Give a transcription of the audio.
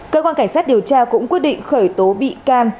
cơ quan cảnh sát điều tra cũng quyết định khởi tố bị can